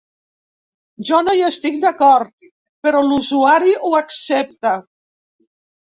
Jo no hi estic d’acord, però l’usuari ho accepta.